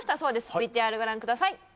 ＶＴＲご覧ください